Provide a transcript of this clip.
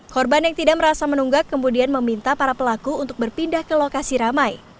korban yang tidak merasa menunggak kemudian meminta para pelaku untuk berpindah ke lokasi ramai